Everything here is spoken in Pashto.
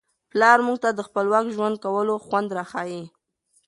پلار موږ ته د خپلواک ژوند کولو خوند را ښيي.